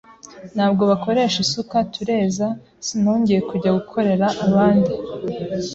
ntabwo bakoresha isuka, tureza sinongeye kujya gukorera abanda